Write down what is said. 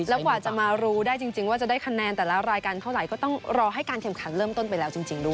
แล้วกว่าจะมารู้ได้จริงว่าจะได้คะแนนแต่ละรายการเท่าไหร่ก็ต้องรอให้การแข่งขันเริ่มต้นไปแล้วจริงด้วย